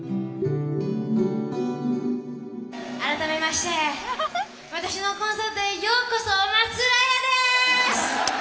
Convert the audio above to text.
「改めまして私のコンサートへようこそ松浦亜弥です」。